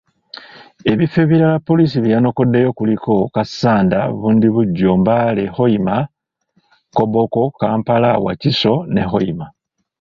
Ebifo ebirala poliisi bye yanokoddeyo kuliko; Kassanda, Bundibugyo, Mbale, Hoima, Koboko, Kampala, Wakiso ne Hoima.